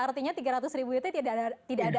artinya tiga ratus ribu itu tidak ada